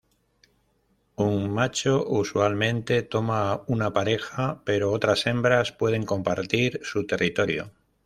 Un macho usualmente toma una pareja, pero otras hembras pueden compartir su territorio.